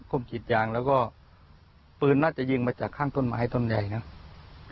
กรีดยางแล้วก็ปืนน่าจะยิงมาจากข้างต้นไม้ต้นใหญ่นะ